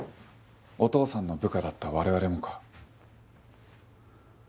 お父さんの部下だった我々もか？